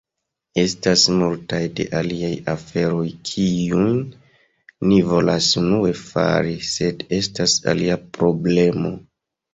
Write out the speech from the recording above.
Estas multaj de aliaj aferoj kiun ni volas unue fari, sed estas alia problemo.